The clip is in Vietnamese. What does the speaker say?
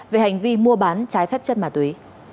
về hành vi mua bán trái phép chất ma túy